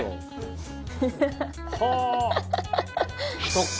そっか。